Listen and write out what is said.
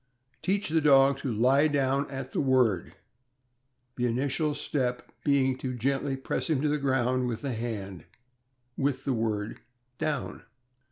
Teach the dog to lie down at the word, the initial step being to gently press him to the ground with the hand, with the word "down."